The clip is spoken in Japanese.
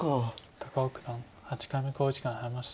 高尾九段８回目の考慮時間に入りました。